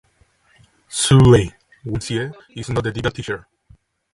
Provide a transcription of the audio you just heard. Hsu Lei (William Hsieh) is not the typical teacher.